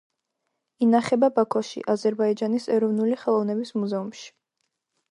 ინახება ბაქოში, აზერბაიჯანის ეროვნული ხელოვნების მუზეუმში.